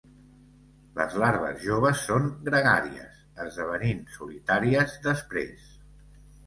Les larves joves són gregàries, esdevenint solitàries després.